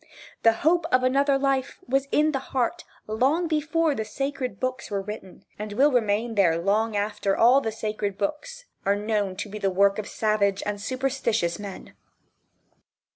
The hope of another life was in the heart, long before the "sacred books" were written, and will remain there long after all the "sacred books" are known to be the work of savage and superstitious men.